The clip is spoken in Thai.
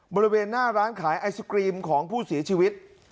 บริเวณหน้าร้านขายไอศกรีมของผู้เสียชีวิต